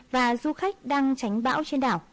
và du khách đang tránh bão trên đảo